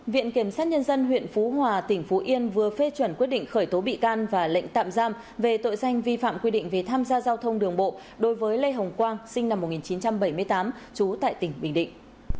viện kiểm sát nhân dân huyện phú hòa tỉnh phú yên vừa phê chuẩn quyết định khởi tố bị can và lệnh tạm giam về tội danh vi phạm quy định về tham gia giao thông đường bộ đối với lê hồng quang sinh năm một nghìn chín trăm bảy mươi tám trú tại tỉnh bình định